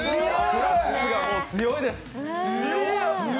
クラッツが強いです！